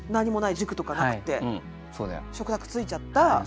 塾とかなくって食卓ついちゃった。